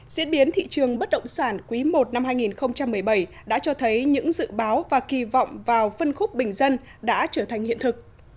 diễn biến thị trường bất động sản quý i năm hai nghìn một mươi bảy đã cho thấy những dự báo và kỳ vọng vào phân khúc bình dân đã trở thành hiện thực